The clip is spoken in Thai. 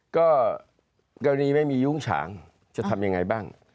ก็กรณีไม่มียุ้งฉางจะทำยังไงบ้าง